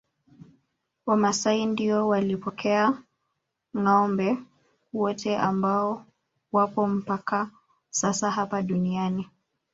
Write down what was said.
Wamasai ndio walipokea ngâombe wote ambao wapo mpaka sasa hapa duniani